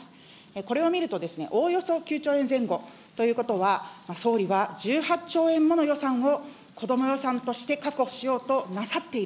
これを見るとですね、おおよそ９兆円前後ということは、総理は１８兆円もの予算を、子ども予算として確保しようとなさっている。